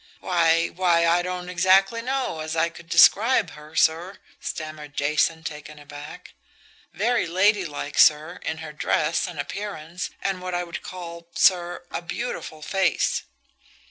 "Why why, I don't exactly know as I could describe her, sir," stammered Jason, taken aback. "Very ladylike, sir, in her dress and appearance, and what I would call, sir, a beautiful face."